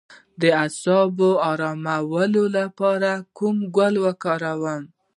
د اعصابو ارامولو لپاره کوم ګل وکاروم؟